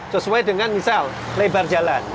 sesuai dengan misal lebar jalan